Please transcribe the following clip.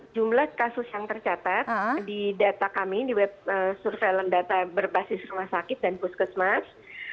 jumlah kasus yang tercatat di data kami di web surveillance data berbasis rumah sakit dan puskesmas